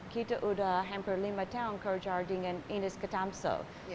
kita sudah hampir lima tahun kerja dengan ines ketamso